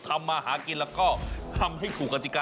ทำมาหากินแล้วก็ทำให้ถูกกติกา